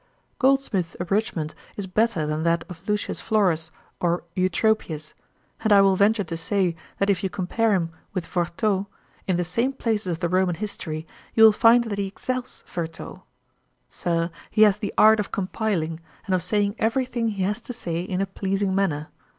Goldsmith's abridgement is better than that of Lucius Florus or Eutropius; and I will venture to say, that if you compare him with Vertot, in the same places of the Roman History, you will find that he excels Vertot. Sir, he has the art of compiling, and of saying every thing he has to say in a pleasing manner.